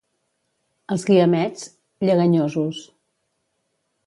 Als Guiamets, lleganyosos.